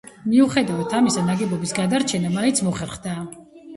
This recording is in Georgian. მიუხედავად ამისა, ნაგებობის გადარჩენა მაინც მოხერხდა.